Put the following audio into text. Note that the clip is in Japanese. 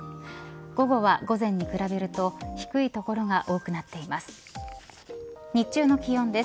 午後は午前に比べると低い所が多くなっています。